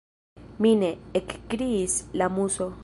“Mi ne!” ekkriis la Muso.